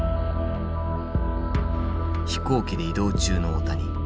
飛行機で移動中の大谷。